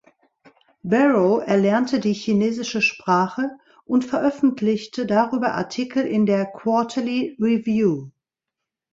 Barrow erlernte die chinesische Sprache und veröffentlichte darüber Artikel in der "Quarterly Review".